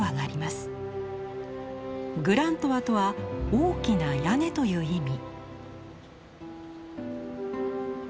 グラントワとは「大きな屋根」という意味。